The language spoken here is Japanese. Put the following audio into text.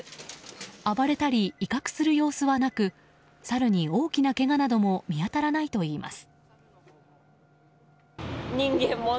暴れたり威嚇する様子はなくサルに大きなけがなども見当たらないといいます。